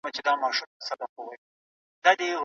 هغه د تاریخ په اړه نوي نظریات وړاندي کړي دي.